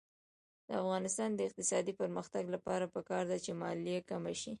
د افغانستان د اقتصادي پرمختګ لپاره پکار ده چې مالیه کمه شي.